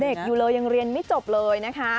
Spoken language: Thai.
อยู่เลยยังเรียนไม่จบเลยนะคะ